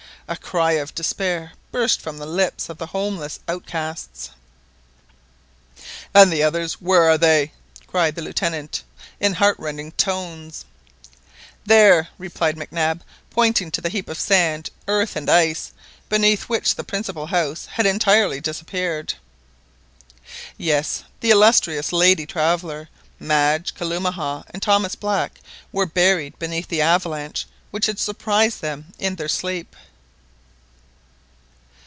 A cry of despair burst from the lips of the houseless outcasts. "And the others, where are they?" cried the Lieutenant in heart rending tones. "There!" replied Mac Nab, pointing to the heap of sand, earth, and ice, beneath which the principal house had entirely disappeared. Yes, the illustrious lady traveller, Madge, Kalumah, and Thomas Black, were buried beneath the avalanche which had surprised them in their sleep!